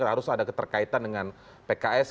harus ada keterkaitan dengan pks